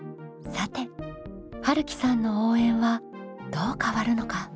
さてはるきさんの応援はどう変わるのか？